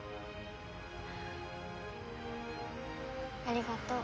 ありがとう。